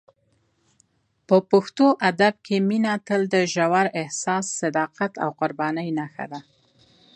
په پښتو ادب کې مینه تل د ژور احساس، صداقت او قربانۍ نښه ده.